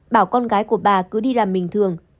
bảo con gái của bà cứ đi làm mình thôi